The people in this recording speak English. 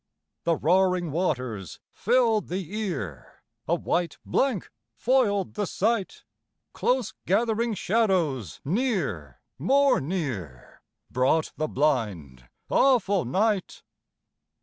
The roaring waters filled the ear, A white blank foiled the sight. Close gathering shadows near, more near, Brought the blind, awful night.